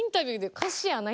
歌詞やない！